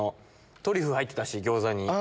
トリュフ入ってたし餃子に。